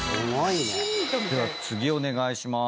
では次お願いします。